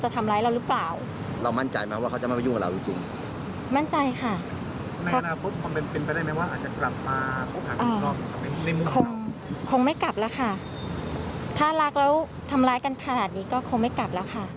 ส่วนจบ